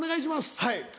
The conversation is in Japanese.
はい。